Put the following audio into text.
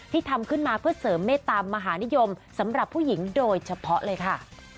ทำขึ้นมาเพื่อเสริมเมตตามหานิยมสำหรับผู้หญิงโดยเฉพาะเลยค่ะ